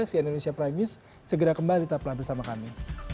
sian indonesia prime news segera kembali tetap bersama kami